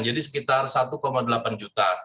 jadi sekitar satu delapan juta